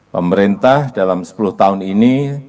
pemerintah dalam sepuluh tahun ini